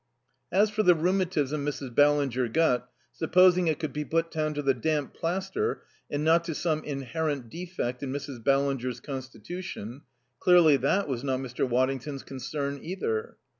As for the rheumatism Mrs. Ballinger got, supposing it could be put down to the damp plaster and not to some inherent defect in Mrs. Ballinger's constitution, clearly that was not Mr. Waddington's concern either.